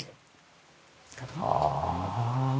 ああ。